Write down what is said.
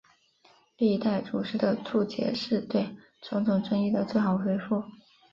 历代祖师的注解是对种种争议的最好回复。